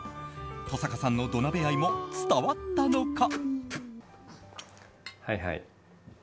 登坂さんの土鍋愛も伝わったのか。